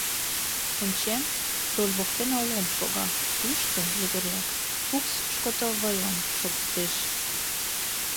Ончем, руль воктене Лом шога, тушто, йыгыреак, Фукс шкотовыйлан шогылтеш.